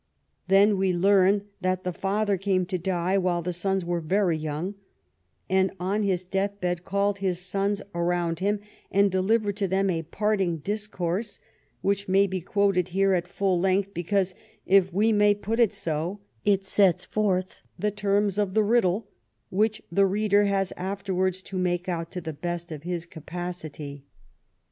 Then we learn that the father came to die while the sons were very young, and on his death bed called his sons around him and delivered to them a parting dis course, which may be quoted here at full length, be^ cause, if we may put it so, it sets forth the terms of the riddle which the reader has afterwards to make out to the best of his capacity.